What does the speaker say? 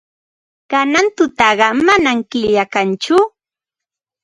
Kanan tutaqa manam killa kanchu.